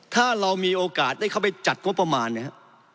ถ้าเรามีโอกาสได้เข้าไปจัดงบประมาณเนี่ย